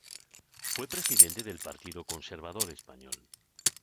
Fue presidente del Partido Conservador Español.